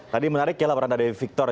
tadi menarik ya laporan dari victor